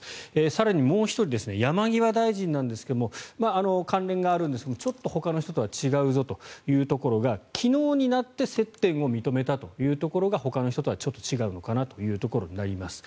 更にもう１人山際大臣なんですが関連があるんですがちょっとほかの人とは違うぞというところが昨日になって接点を認めたというところがほかの人とはちょっと違うのかなというところになります。